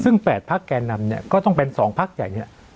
ซึ่งแปดพักแกนำเนี่ยก็ต้องเป็นสองพักอย่างเงี้ย